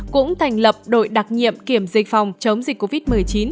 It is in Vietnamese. cũng thành lập đội đặc nhiệm kiểm dịch phòng chống dịch covid một mươi chín